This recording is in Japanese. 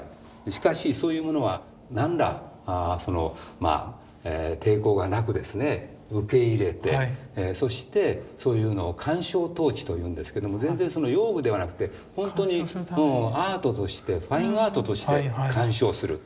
しかしそういうものは何ら抵抗がなくですね受け入れてそしてそういうのを鑑賞陶器というんですけども全然用具ではなくてほんとにアートとしてファインアートして鑑賞する。